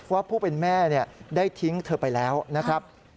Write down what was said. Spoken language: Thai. ว่าผู้เป็นแม่ได้ทิ้งเธอไปแล้วนะครับ